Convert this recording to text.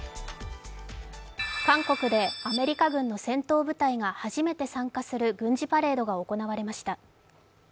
韓国でアメリカ軍の戦闘部隊が初めて参加する軍事パレードが行われました。